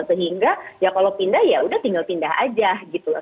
sehingga kalau pindah ya sudah tinggal pindah saja